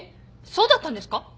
そうだったんですか？